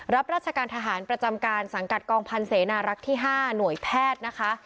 รับราชการทหารประจำการสังกัดกองพันธ์เสนารักษ์ที่๕หน่วยแพทย์นะคะ